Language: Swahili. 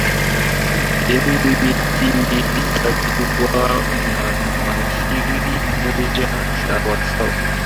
emu nyeti mbili tatu kuwa na waziri mmoja sawa sawa